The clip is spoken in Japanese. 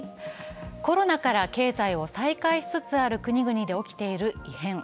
コロナから経済を再開しつつある国々で起きている異変。